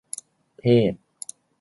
เพศ